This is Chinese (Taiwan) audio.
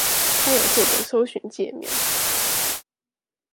他有做個搜尋介面